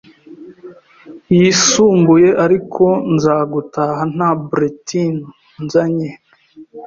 yisumbuye ariko nza gutaha nta bulletin nzanye